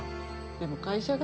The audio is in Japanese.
でも会社が。